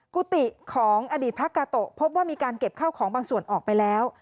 กุฏิของอดีตพระกาโตะพบว่ามีการเก็บข้าวของบางส่วนออกไปแล้ว